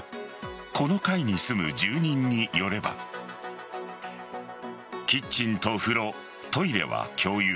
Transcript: この階に住む住人によればキッチンと風呂、トイレは共有